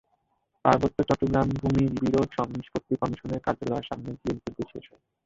পার্বত্য চট্টগ্রাম ভূমি বিরোধ নিষ্পত্তি কমিশনের কার্যালয়ের সামনে গিয়ে মিছিলটি শেষ হয়।